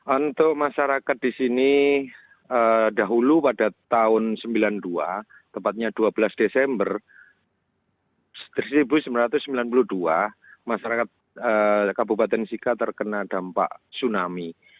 untuk masyarakat di sini dahulu pada tahun seribu sembilan ratus sembilan puluh dua tepatnya dua belas desember seribu sembilan ratus sembilan puluh dua masyarakat kabupaten sika terkena dampak tsunami